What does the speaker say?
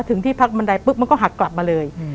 ที่พักบันไดปุ๊บมันก็หักกลับมาเลย